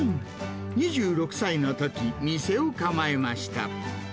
２６歳のとき、店を構えました。